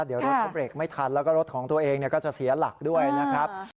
เดี๋ยวรถเขาเบรกไม่ทันแล้วก็รถของตัวเองก็จะเสียหลักด้วยนะครับ